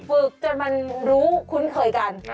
ฝึกจนมันรู้คุ้นเคยกัน